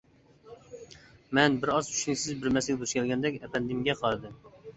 مەن بىر ئاز چۈشىنىكسىز بىر مەسىلىگە دۇچ كەلگەندەك ئەپەندىمگە قارىدىم.